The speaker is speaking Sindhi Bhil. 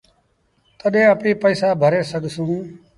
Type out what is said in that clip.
تڏهيݩ اپيٚن پئيٚسآ ڀري سگھسون